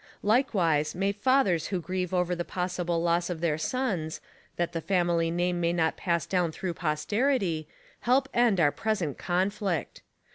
Likewise may fathers who grieve over the possible loss of their sons, that the family name may not pass down through posterity, help end our present conflict.